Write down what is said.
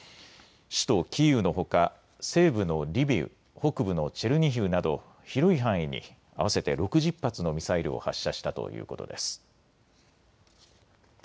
首都キーウのほか西部のリビウ北部のチェルニヒウなど広い範囲に合わせて６０発のミサイルを発射したということです。